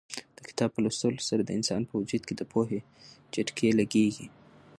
د کتاب په لوستلو سره د انسان په وجود کې د پوهې جټکې لګېږي.